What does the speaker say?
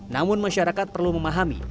namun masyarakat perlu memahami